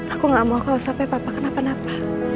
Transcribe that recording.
aku gak mau kalau sampai papa kenapa napa